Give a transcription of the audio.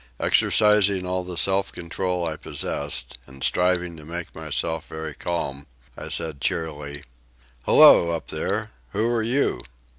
Exercising all the self control I possessed, and striving to make myself very calm, I said cheerily: "Hello, up there, who are you!"